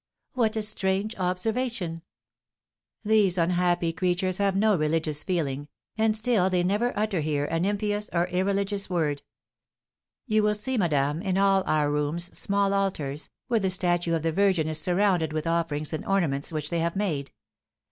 '" "What a strange observation!" "These unhappy creatures have no religious feeling, and still they never utter here an impious or irreligious word. You will see, madame, in all our rooms small altars, where the statue of the Virgin is surrounded with offerings and ornaments which they have made.